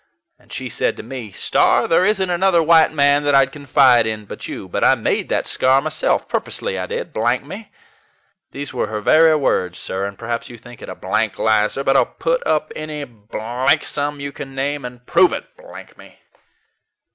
And she said to me, 'Star, there isn't another white man that I'd confide in but you; but I made that scar myself, purposely, I did, blank me.' These were her very words, sir, and perhaps you think it a blank lie, sir; but I'll put up any blank sum you can name and prove it, blank me."